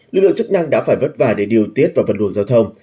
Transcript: lực lượng chức năng đã phải vất vả để điều tiết vào vận đường giao thông